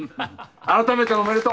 改めておめでとう。